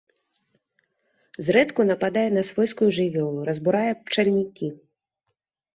Зрэдку нападае на свойскую жывёлу, разбурае пчальнікі.